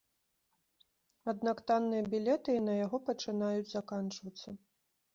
Аднак танныя білеты і на яго пачынаюць заканчвацца.